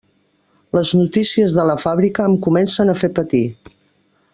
Les notícies de la fàbrica em comencen a fer patir.